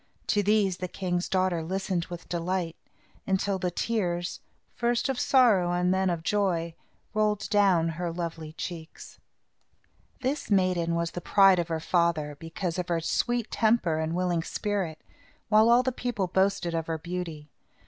To these the king's daughter listened with delight, until the tears, first of sorrow and then of joy, rolled down her lovely cheeks. This maiden was the pride of her father, because of her sweet temper and willing spirit, while all the people boasted of her beauty.